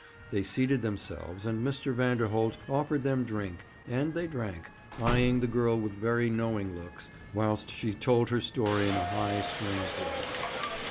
They seated themselves, and Mr. Vanderholt offered them drink, and they drank, eyeing the girl with very knowing looks, whilst she told her story in a high, strained voice.